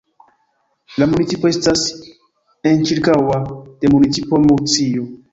La municipo estas enĉirkaŭa de municipo Murcio.